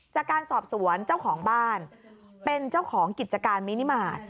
จากการสอบสวนเจ้าของบ้านเป็นเจ้าของกิจการมินิมาตร